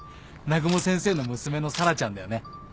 南雲先生の娘の沙羅ちゃんだよね？